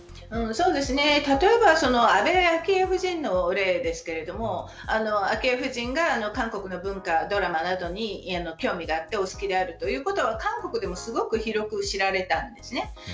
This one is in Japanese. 例えば安倍昭恵夫人の例ですが昭恵夫人が韓国の文化やドラマなどに興味があってお好きであるということは韓国でもすごく広く知られたんです。